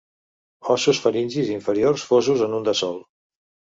Ossos faringis inferiors fosos en un de sol.